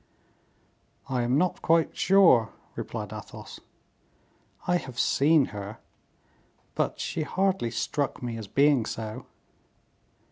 "I am not quite sure," replied Athos. "I have seen her, but she hardly struck me as being so."